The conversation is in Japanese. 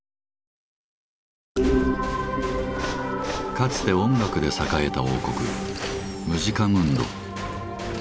かつて音楽で栄えた王国「ムジカムンド」。